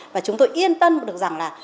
và chúng tôi yên tân được rằng là